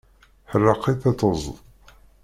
Ḥerrek-itt ad tezḍ!